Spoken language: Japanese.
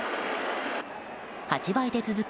８倍で続く